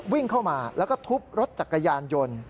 วิ่งเข้ามาแล้วก็ทุบรถจักรยานยนต์